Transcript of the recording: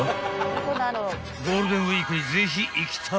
［ゴールデンウイークにぜひ行きたい］